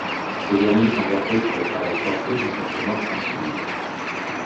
Ces derniers sont gardés pour le travail forcé jusqu'à ce que mort s'ensuive.